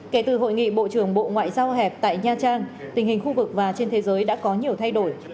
kể từ hội nghị bộ trưởng bộ ngoại giao hẹp tại nha trang tình hình khu vực và trên thế giới đã có nhiều thay đổi